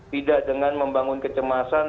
tidak dengan membangun kecemasan